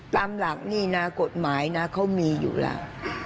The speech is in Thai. ตามหลักนี่นะกฎหมายนะเขามีอยู่แล้ว